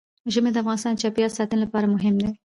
ژمی د افغانستان د چاپیریال ساتنې لپاره مهم دي.